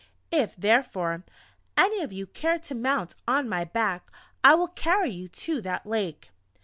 If, therefore, any of you care to mount up on my back, I will carry you to that Lake."